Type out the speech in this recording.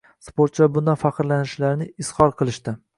Sportchilar bundan faxrlanishlarini izhor qilishdi.